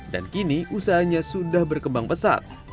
dan kini usahanya sudah berkembang pesat